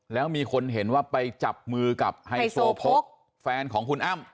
แล้วมีคนเห็นว่าไปจับมือกับไฮโซโพกแฟนของคุณอ้ำ